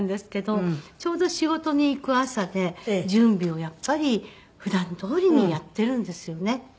ちょうど仕事に行く朝で準備をやっぱり普段どおりにやっているんですよね。